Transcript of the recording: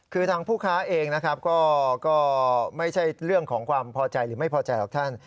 คือทางผู้ค้าเองนะครับก็ไม่ใช่เรื่องของความพอใจหรือไม่พอใจหรอกท่าน